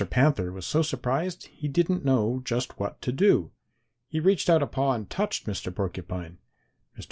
Panther was so surprised he didn't know just what to do. He reached out a paw and touched Mr. Porcupine. Mr.